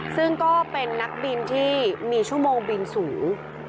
ซึ่งก็เป็นนักบินที่มีชั่วโมงบินสูง